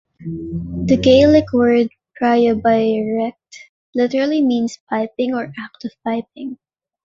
The Gaelic word Piobaireachd literally means "piping" or "act of piping.